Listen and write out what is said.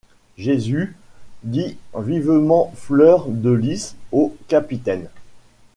Jésus! dit vivement Fleur-de-Lys au capitaine.